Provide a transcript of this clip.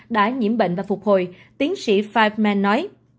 đã nhiễm bệnh và phục hồi tiến sĩ fireman nói